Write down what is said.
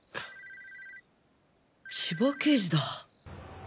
千葉刑事だ！